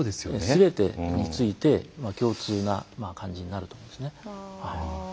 すべてについて共通な感じになると思うんですね。